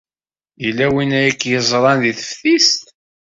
Yella win ay k-yeẓran deg teftist?